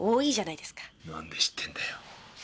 なんで知ってんだよ。